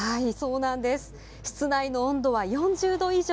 室内の温度は４０度以上。